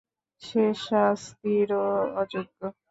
সে শাস্তিরও অযােগ্য।